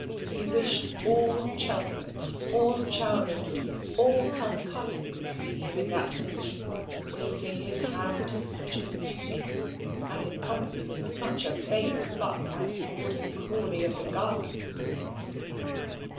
He wished all Cheltenham, all Chowringhee, all Calcutta, could see him in that position, waving his hand to such a beauty, and in company with such a famous buck as Rawdon Crawley of the Guards.